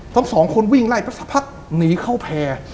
ทั้งสองคนวิ่งไล่ไปสักพักหนีเข้าแพร่